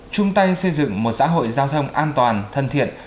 chung tay xây dựng một xã hội giao thông an toàn thân thiện